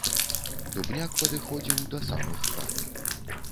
Дубняк падыходзіў да самых хат.